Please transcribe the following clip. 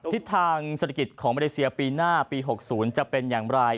ทิศทางเศรษฐกิจของมาเลเซียปีหน้าปี๖๐จะเป็นอย่างไร